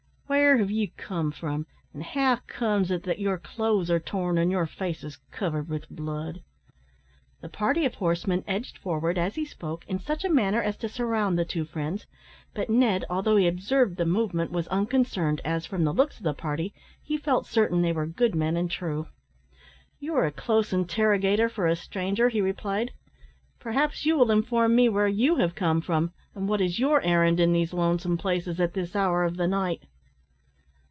"Where have you come from, and how comes it that your clothes are torn, and your faces covered with blood?" The party of horsemen edged forward, as he spoke, in such a manner as to surround the two friends, but Ned, although he observed the movement, was unconcerned, as, from the looks of the party, he felt certain they were good men and true. "You are a close interrogator for a stranger," he replied. "Perhaps you will inform me where you have come from, and what is your errand in these lonesome places at this hour of the night?"